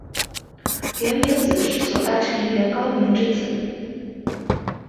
源明子是左大臣源高明之女。